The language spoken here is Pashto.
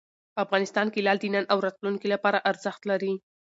افغانستان کې لعل د نن او راتلونکي لپاره ارزښت لري.